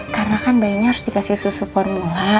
karena kan bayinya harus dikasih susu formula